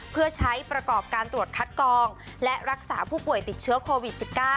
เพื่อใช้ประกอบการตรวจคัดกองและรักษาผู้ป่วยติดเชื้อโควิด๑๙